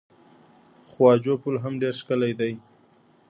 خواجو پل هم ډیر ښکلی دی.